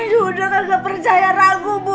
nenek bu udah gak percaya ragu bu